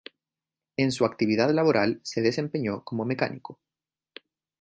En su actividad laboral se desempeñó como mecánico.